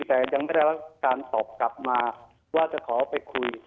แต่ยังไม่ได้รับการตอบกลับมาว่าจะขอไปคุย